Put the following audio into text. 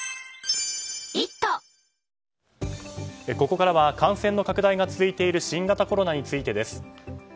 ここからは感染の拡大が続いている新型コロナウイルスについてです。